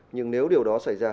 nhưng nếu điều đó xảy ra